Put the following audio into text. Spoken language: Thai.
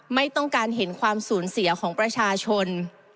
ไม่ต้องการเห็นความสูญเสียของประชาชน